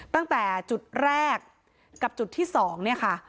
ตั้งแต่จุดแรกกับจุดที่๒เนี่ยค่ะ